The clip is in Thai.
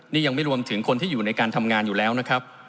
นี่ยังไม่รวมถึงคนที่อยู่ในการทำงานอยู่แล้วนะครับ